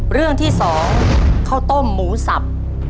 เรื่องที่๒ข้าวต้มหมูสับ